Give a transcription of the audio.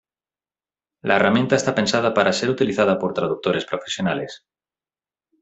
La herramienta está pensada para ser utilizada por traductores profesionales.